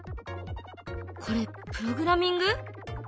これプログラミング？